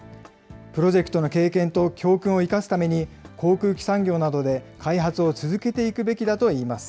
プロジェクトの経験と教訓を生かすために、航空機産業などで開発を続けていくべきだといいます。